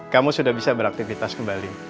kamu sudah bisa beraktivitas kembali